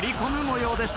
そうです。